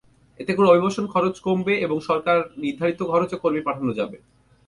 এতে করে অভিবাসন খরচ কমবে এবং সরকার নির্ধারিত খরচে কর্মী পাঠানো যাবে।